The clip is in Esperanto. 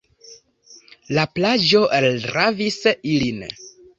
La plaĝo ravis ilin.